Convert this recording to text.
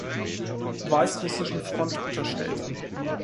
Weißrussischen Front unterstellt.